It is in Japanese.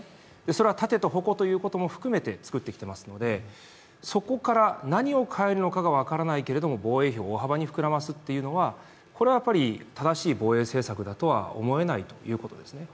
それは盾と矛ということも含めて作ってきていますので、そこから何を変えるのかが分からないけれども防衛費を大幅に膨らますっていうのは正しい防衛政策だとは思えないということですね。